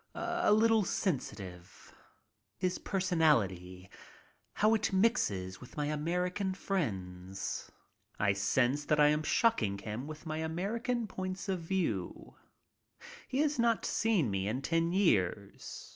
A little sen sitive. His personality — how it mixes with my American friends. I sense that I am shocking him with my American points of view. He has not seen me in ten years.